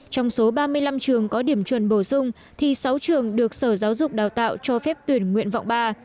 trong số ba mươi năm trường có điểm chuẩn bổ sung thì sáu trường được sở giáo dục đào tạo cho phép tuyển nguyện vọng ba